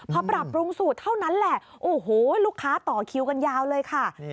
พอปรับปรุงสูตรเท่านั้นแหละโอ้โหลูกค้าต่อคิวกันยาวเลยค่ะ